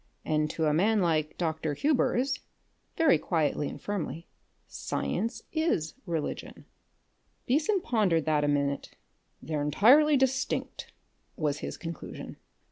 "And to a man like Dr. Hubers" very quietly and firmly "science is religion." Beason pondered that a minute. "They're entirely distinct," was his conclusion.